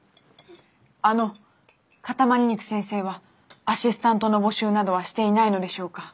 あの塊肉先生はアシスタントの募集などはしていないのでしょうか？